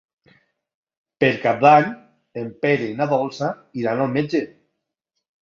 Per Cap d'Any en Pere i na Dolça iran al metge.